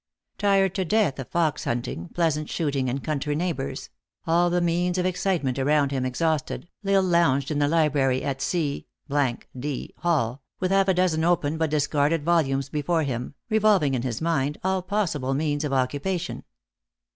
Tired to death of fox hunting, pleasant shooting, and country neighbors ; all the means of excitement around him exhausted, L Isle lounged in the library at C d Hall, with half a dozen open but discarded volumes before him, revolving in his mind all possible means of occupation.